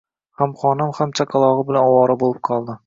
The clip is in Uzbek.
Hamxonam ham chaqalog`i bilan ovora bo`lib qoldi